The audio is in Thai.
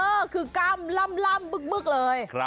เออคือกร่ำล่ำบึกเลย